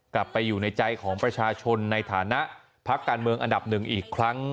กลับไปอยู่ในใจของประชาชนในฐานะพักการเมืองอันดับหนึ่งอีกครั้ง